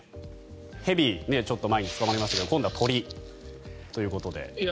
蛇がちょっと前に捕まりましたが今度は鳥ということで。